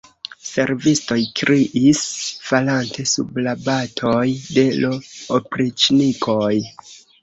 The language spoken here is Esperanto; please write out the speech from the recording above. Servistoj kriis, falante sub la batoj de l' opriĉnikoj.